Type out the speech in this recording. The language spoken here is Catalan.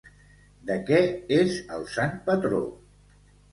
De què és el sant patró?